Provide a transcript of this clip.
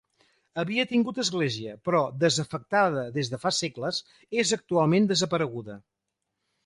Havia tingut església, però, desafectada des de fa segles, és actualment desapareguda.